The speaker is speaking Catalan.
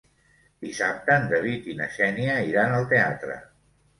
Dissabte en David i na Xènia iran al teatre.